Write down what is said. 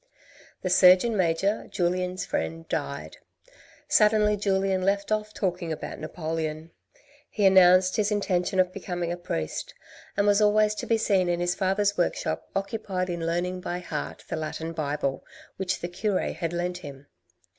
The Surgeon Major, Julien's friend, died. Suddenly Julien left off talking about Napoleon. He announced his intention of becoming a priest, and was always to be seen in his father's workshop occupied in learning by heart the Latin Bible which the cure had lent him.